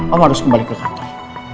kamu harus kembali ke kantor